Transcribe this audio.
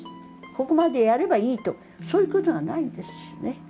ここまでやればいいとそういうことがないんですね。